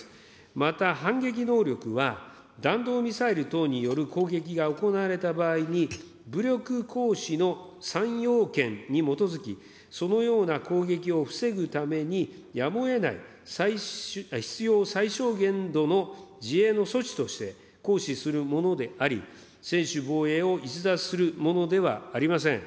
また、反撃能力は、弾道ミサイル等による攻撃が行われた場合に、武力行使の３要件に基づき、そのような攻撃を防ぐためにやむをえない必要最小限度の自衛の措置として、行使するものであり、専守防衛を逸脱するものではありません。